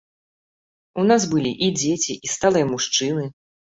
У нас былі і дзеці, і сталыя мужчыны.